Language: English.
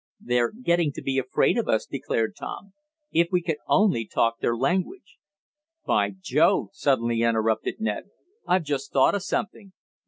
"They're getting to be afraid of us," declared Tom. "If we could only talk their language " "By Jove!" suddenly interrupted Ned. "I've just thought of something.